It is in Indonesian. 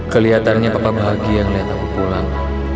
kelihatannya papa bahagia melihat aku pulang